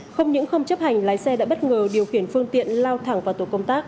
không những không chấp hành lái xe đã bất ngờ điều khiển phương tiện lao thẳng vào tổ công tác